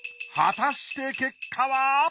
果たして結果は！？